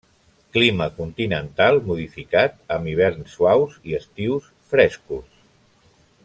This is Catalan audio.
Clima continental modificat amb hiverns suaus i estius frescos.